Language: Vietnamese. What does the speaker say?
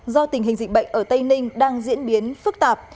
do tình hình dịch bệnh ở tây ninh đang diễn biến phức tạp